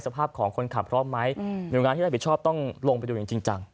สภาพของคนขับพร้อมไหมเป็นวิวงานที่รัฐผิดชอบต้องลงไปดูจริงจัง